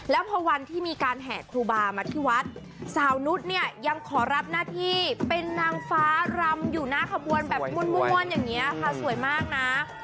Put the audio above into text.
แล้วพอวันที่มีการแห่ครูบามาที่วัดสาวนุษย์เนี่ยยังขอรับหน้าที่เป็นนางฟ้ารำอยู่หน้าขบวนแบบม่วนอย่างนี้ค่ะสวยมากนะ